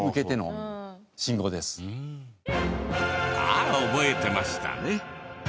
あ覚えてましたね。